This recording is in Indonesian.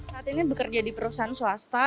saat ini bekerja di perusahaan swasta